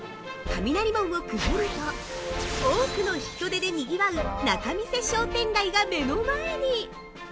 ◆雷門をくぐると多くの人出で賑わう仲見世商店街が目の前に！